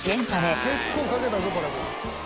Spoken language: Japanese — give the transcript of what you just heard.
結構かけたぞこれも。